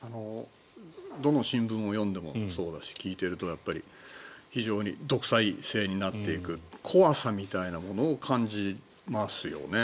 どの新聞を読んでもそうだし聞いているとやっぱり非常に独裁制になっていく怖さみたいなものを感じますよね。